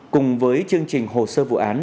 cùng với chương trình hồ sơ vụ án